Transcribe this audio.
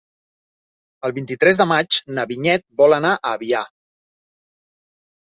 El vint-i-tres de maig na Vinyet vol anar a Avià.